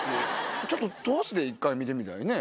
ちょっと通しで一回見てみたいね。